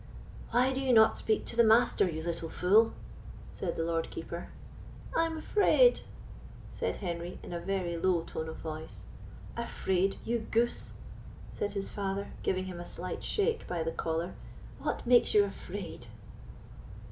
"Why do you not speak to the Master, you little fool?" said the Lord Keeper. "I am afraid," said Henry, in a very low tone of voice. "Afraid, you goose!" said his father, giving him a slight shake by the collar. "What makes you afraid?"